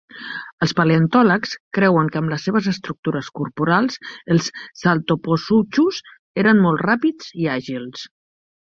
Els paleontòlegs creuen que amb les seves estructures corporals els "Saltoposuchus" eren molt ràpids i àgils.